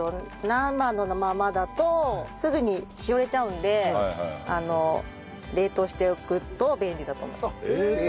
生のままだとすぐにしおれちゃうので冷凍しておくと便利だと思います。